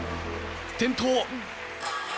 転倒。